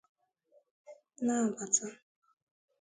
na-abata